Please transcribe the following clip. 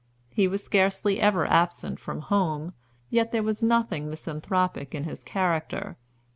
He was scarcely ever absent from home, yet there was nothing misanthropic in his character.